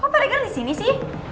kok pak rega di sini sih